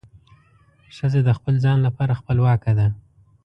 ښځه د خپل ځان لپاره خپلواکه ده.